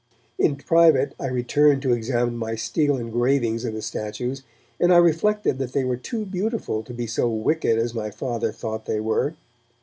In private I returned to examine my steel engravings of the statues, and I reflected that they were too beautiful to be so wicked as my Father thought they were.